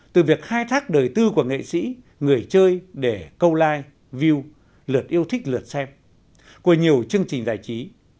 từ việc khai thác đời tư của nghệ sĩ người chơi để câu like view lượt yêu thích lượt xem của nhiều chương trình giải trí